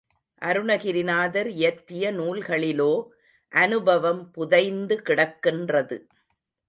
அருணகிரிநாதர் இயற்றிய நூல்களிலோ அநுபவம் புதைந்து கிடக்கின்றது.